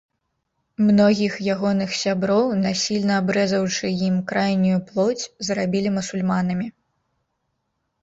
Многіх ягоных сяброў, насільна абрэзаўшы ім крайнюю плоць, зрабілі мусульманамі.